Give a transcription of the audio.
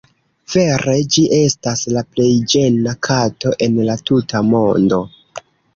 Vere ĝi estas la plej ĝena kato en la tuta mondo.